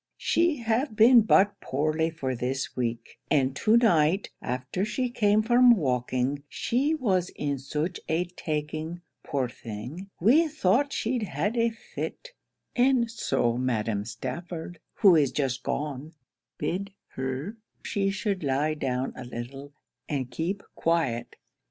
She have been but poorly for this week; and to night, after she came from walking, she was in such a taking, poor thing, we thought she'd a had a fit; and so Madam Stafford, who is just gone, bid her she should lie down a little and keep quiet.'